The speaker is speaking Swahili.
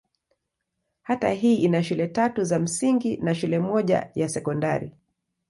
Kata hii ina shule tatu za msingi na shule moja ya sekondari.